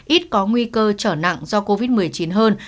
ít có nguy cơ trở nặng do covid một mươi chín hơn